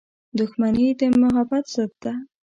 • دښمني د محبت ضد ده.